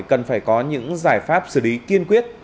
cần phải có những giải pháp xử lý kiên quyết